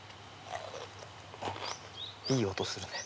いい音するね。